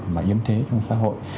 mà yếm thế trong xã hội